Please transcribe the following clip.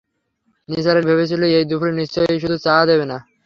নিসার আলি ভেবেছিলেন, এই দুপুরে নিশ্চয়ই শুধু চা দেবে না!